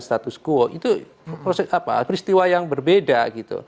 status quo itu proses apa peristiwa yang berbeda gitu